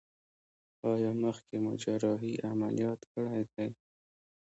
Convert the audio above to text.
ایا مخکې مو جراحي عملیات کړی دی؟